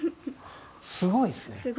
すごいですね。